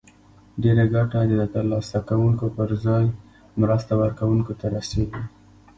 ډیره ګټه د تر لاسه کوونکو پر ځای مرستو ورکوونکو ته رسیږي.